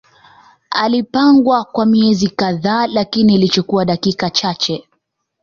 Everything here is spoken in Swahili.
Ilipangwa kwa miezi kadhaa lakini ilichukua dakika chache